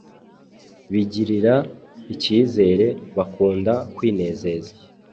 bigirira icyizere, bakunda kwinezeza